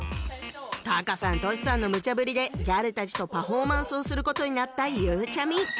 タカさんトシさんのむちゃぶりでギャルたちとパフォーマンスをすることになったゆうちゃみ